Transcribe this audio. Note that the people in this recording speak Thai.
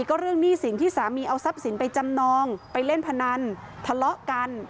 ก็เรื่องหนี้สินที่สามีเอาทรัพย์สินไปจำนองไปเล่นพนันทะเลาะกัน